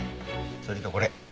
それとこれ。